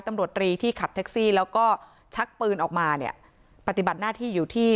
ตำรวจรีที่ขับแท็กซี่แล้วก็ชักปืนออกมาเนี่ยปฏิบัติหน้าที่อยู่ที่